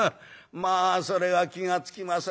『まあそれは気が付きませんでした。